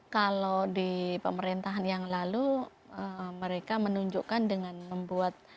kalau di pemerintahan yang lalu mereka menunjukkan dengan membuat